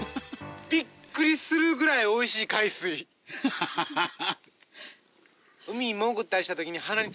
ハハハハ。